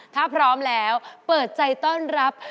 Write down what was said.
ถ้าพร้อมแล้วเปิดใจต้อนรับ